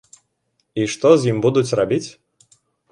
І што з ім будуць рабіць?